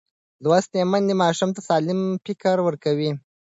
لوستې میندې ماشوم ته سالم فکر ورکوي.